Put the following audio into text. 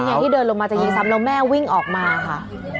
ไงที่เดินลงมาจะยิงซ้ำแล้วแม่วิ่งออกมาค่ะ